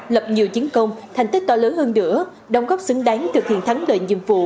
lập nhiều chiến công thành tích to lớn hơn nữa đồng góp xứng đáng thực hiện thắng lợi nhiệm vụ